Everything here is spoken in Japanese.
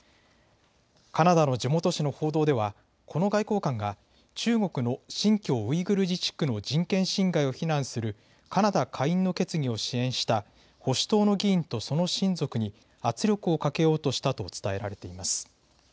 カナダの地元紙の報道ではこの外交官が中国の新疆ウイグル自治区の人権侵害を非難するカナダ下院の決議を支援した保守党の議員とその親族に圧力をかけようとしたと伝えられています。